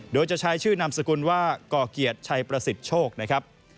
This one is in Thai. โดยจะใช้ชื่อนามสกุลว่าก่อเกียรติชัยประสิทธิ์โชคนะครับ